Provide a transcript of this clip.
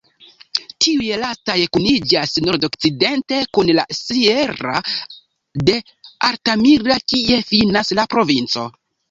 Tiuj lastaj kuniĝas nordokcidente kun la "sierra" de Altamira, kie finas la provinco.